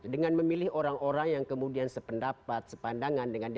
dengan memilih orang orang yang kemudian sependapat sepandangan